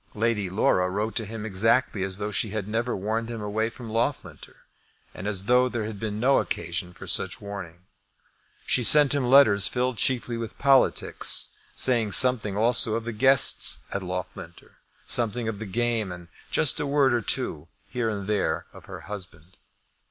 Lady Laura wrote to him exactly as though she had never warned him away from Loughlinter, and as though there had been no occasion for such warning. She sent him letters filled chiefly with politics, saying something also of the guests at Loughlinter, something of the game, and just a word or two here and there of her husband.